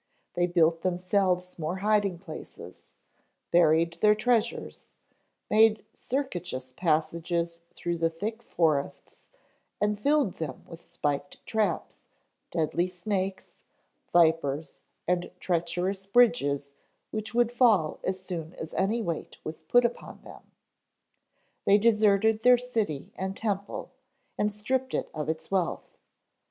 They built themselves more hiding places, buried their treasures, made circuitous passages through the thick forests and filled them with spiked traps, deadly snakes, vipers, and treacherous bridges which would fall as soon as any weight was put upon them. They deserted their city and temple, and stripped it of its wealth.